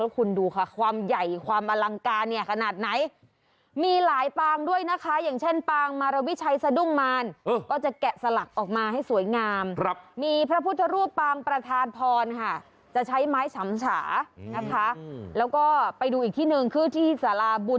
แล้วคุณดูค่ะความใหญ่ความอลังการเนี่ยขนาดไหนมีหลายปางด้วยนะคะอย่างเช่นปางมาระวิชัยสะดุ้งมานเออ